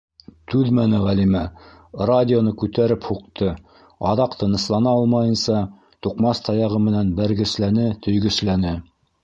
Түҙмәне Ғәлимә: радионы күтәреп һуҡты, аҙаҡ, тыныслана алмайынса, туҡмас таяғы менән бәргесләне, төйгөсләне.